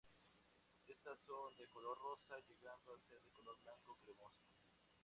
Estas son de color rosa, llegando a ser de color blanco cremoso.